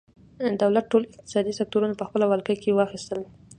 دولت ټول اقتصادي سکتورونه په خپله ولکه کې واخیستل.